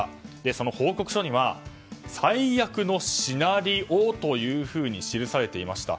その報告書には最悪のシナリオというふうに記されていました。